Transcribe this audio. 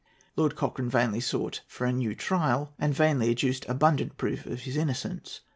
Lord Cochrane vainly sought for a new trial, and vainly adduced abundant proof of his innocence.